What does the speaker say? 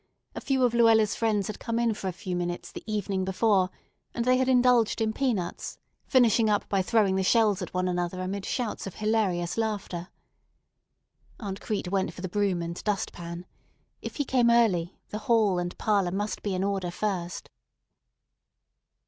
A few of Luella's friends had come in for a few minutes the evening before, and they had indulged in peanuts, finishing up by throwing the shells at one another amid shouts of hilarious laughter. Aunt Crete went for the broom and dust pan. If he came early, the hall and parlor must be in order first.